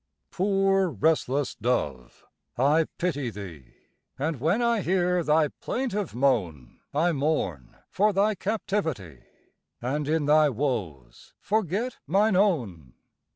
Poor restless dove, I pity thee; And when I hear thy plaintive moan, I mourn for thy captivity, And in thy woes forget mine own.